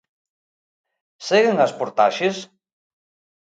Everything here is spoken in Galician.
Seguen as portaxes?